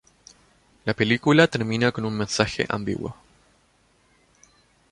La película termina con un mensaje ambiguo.